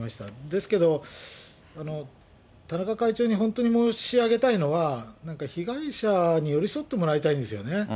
ですけど、田中会長に本当に申し上げたいのは、なんか被害者に寄り添ってもらいたいんですよね。